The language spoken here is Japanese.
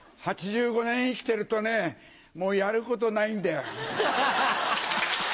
８５年生きてるとねもうやることないんだよ。